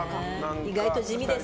意外と地味です。